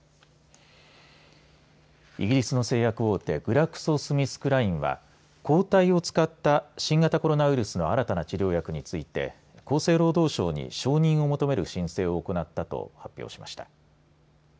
イギリスの製薬大手グラクソ・スミスクラインは抗体を使った新型コロナウイルスの新たな治療薬について厚生労働省に承認を求める申請を行ったと発表しました。